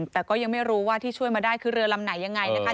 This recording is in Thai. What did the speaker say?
แต่ก็ยังไม่รู้ว่าที่ช่วยมาได้คือเรือลำไหนยังไงนะคะ